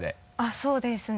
そうですね。